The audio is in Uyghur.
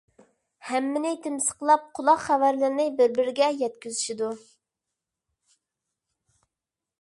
ھەممىنى تىمسىقلاپ قۇلاق خەۋەرلىرىنى بىر - بىرىگە يەتكۈزۈشىدۇ.